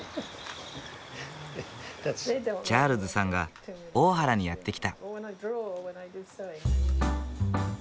チャールズさんが大原にやって来た。